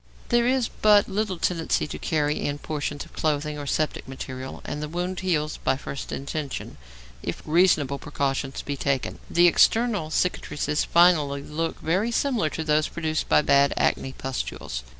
There is but little tendency to carry in portions of clothing or septic material, and the wound heals by first intention, if reasonable precautions be taken. The external cicatrices finally look very similar to those produced by bad acne pustules.